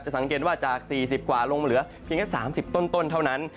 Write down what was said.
สังเกตว่าจาก๔๐กว่าลงมาเหลือเพียงแค่๓๐ต้นเท่านั้น